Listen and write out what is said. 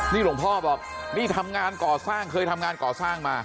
นี่หลวงพ่อบอกนี่ทำงานก่อสร้างเคยทำงานก่อสร้างมา